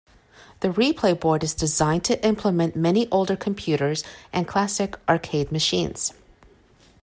The Replay board is designed to implement many older computers and classic arcade machines.